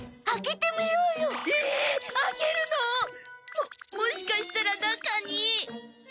ももしかしたら中に。